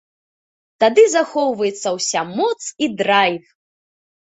Тады захоўваецца ўся моц і драйв!